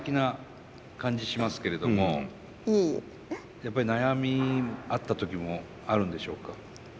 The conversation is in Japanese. やっぱり悩みあった時もあるんでしょうか？